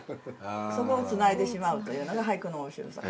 そこをつないでしまうというのが俳句の面白さ。